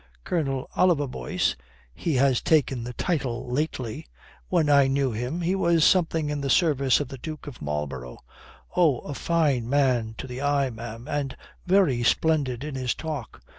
Colonel Oliver Boyce he has taken the title lately when I knew him he was something in the service of the Duke of Marlborough. Oh, a fine man to the eye, ma'am, and very splendid in his talk."